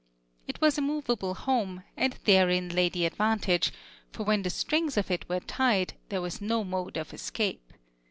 It was a movable home, and therein lay the advantage; for when the strings of it were tied there was no mode of escape.